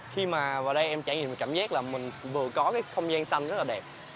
khi mà vào đây em trải nghiệm cảm giác là mình vừa có cái không gian xanh rất là đẹp